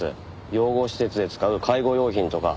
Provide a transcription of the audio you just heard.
養護施設で使う介護用品とか。